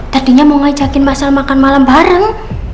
tadinya mau ngajakin mas al makan malam bareng